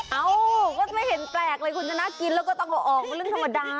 เอ้าก็ไม่เห็นแปลกเลยคุณจะน่ากินแล้วก็ออกไปเรื่องธรรมดา